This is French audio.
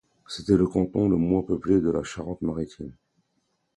C'était le canton le moins peuplé de la Charente-Maritime.